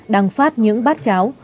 đang phát những bát cháo